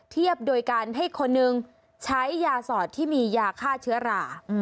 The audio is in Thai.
เทียบโดยการให้คนหนึ่งใช้ยาสอดที่มียาฆ่าเชื้อรา